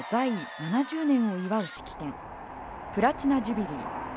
７０年を祝う式典プラチナ・ジュビリー。